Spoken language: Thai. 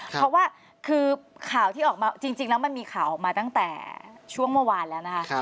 เพราะว่าคือข่าวที่ออกมาจริงแล้วมันมีข่าวออกมาตั้งแต่ช่วงเมื่อวานแล้วนะคะ